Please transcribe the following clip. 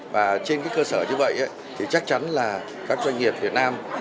và trên cơ sở như vậy chắc chắn là các doanh nghiệp việt nam